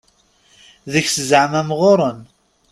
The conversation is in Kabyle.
Deg-s zaɛma mɣuren.